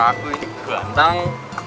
aku ini ganteng